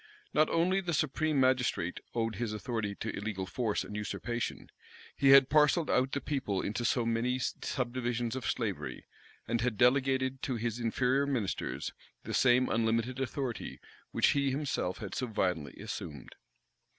Not only the supreme magistrate owed his authority to illegal force and usurpation; he had parcelled out the people into so many subdivisions of slavery, and had delegated to his inferior ministers the same unlimited authority which he himself had so violently assumed.